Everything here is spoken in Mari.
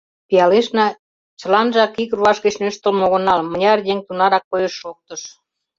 Пиалешна, чыланжак ик руаш гыч нӧштылмӧ огынал, мыняр еҥ, тунарак койыш-шоктыш.